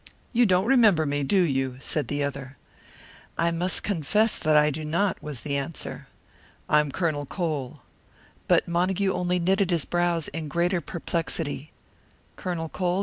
"You don't remember me, do you?" said the other. "I must confess that I do not," was the answer. "I am Colonel Cole." But Montague only knitted his brows in greater perplexity. "Colonel Cole?"